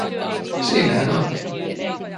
Siinä hän on.